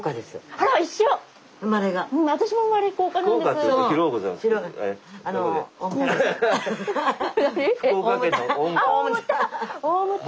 あ大牟田。